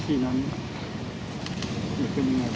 พี่อุจจังยอดหนึ่งครับ